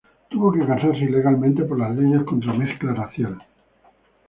Tuvo que casarse ilegalmente, por las leyes contra mezcla racial.